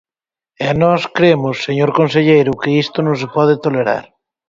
E nós cremos, señor conselleiro, que isto non se pode tolerar.